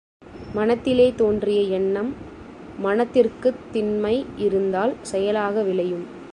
மனத்திலே தோன்றிய எண்ணம் மனத்திற்குத் திண்மை இருந்தால் செயலாக விளையும்.